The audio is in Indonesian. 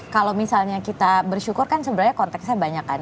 kalau misalnya kita bersyukur kan sebenarnya konteksnya banyak kan